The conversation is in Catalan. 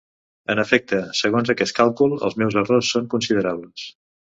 En efecte, segons aquest càlcul, els meus errors són considerables!